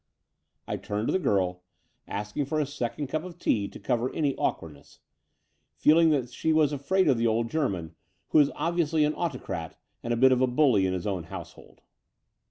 I turned to the girl, asking for a second cup of Between London and Cljrmplng 167 tea to cover any awkwardness, feeling that she was afraid of the old German, who was obviously an autocrat and a bit of a bully in his own household.